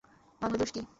ভাঙলে দোষ কী?